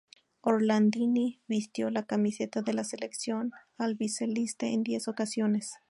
Orlandini vistió la camiseta de la selección albiceleste en diez ocasiones.